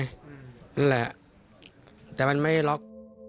นั่นแหละแต่มันไม่ล็อก